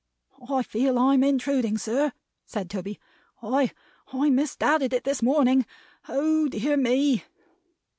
"I feel I'm intruding, sir," said Toby. "I I misdoubted it this morning. Oh dear me!"